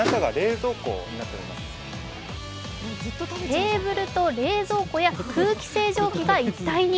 テーブルと冷蔵庫や空気清浄機が一体に。